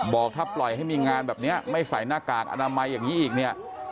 บอกถ้าปล่อยให้มีงานแบบนี้ไม่ใส่หน้ากากอนามัยอย่างนี้อีกเนี่ย